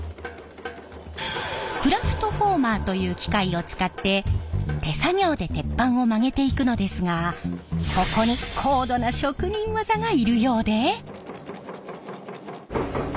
クラフトフォーマーという機械を使って手作業で鉄板を曲げていくのですがここにはあ。